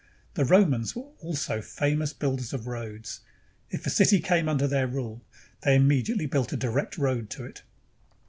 The Romans were also famous builders of roads. If a city came under their rule, they immediately built a direct road to it.